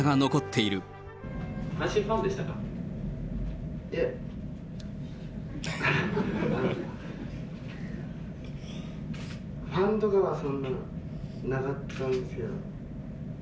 いや、ファンとかはそんな、なかったんですけど。